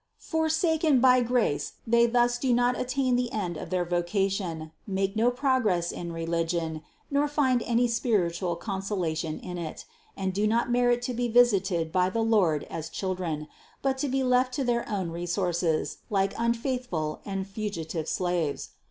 Forsaken by grace they thus do not attain the end of their voca tion, make no progress in religion, nor find any spiritual 336 CITY OF GOD consolation in it, and do not merit to be visited by the Lord as children, but to be left to their own resources like unfaithful and fugitive slaves.